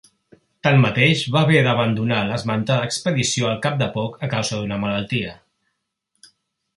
Tanmateix, va haver d'abandonar l'esmentada expedició al cap de poc a causa d'una malaltia.